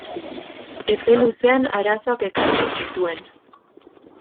Epe luzean arazoak ekarriko zituen.